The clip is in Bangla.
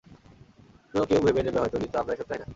অন্য কেউ নেবে হয়তো, কিন্তুআমরা এসব চাই না।